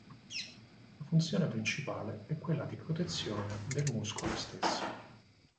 La funzione principale è quella di protezione del muscolo stesso.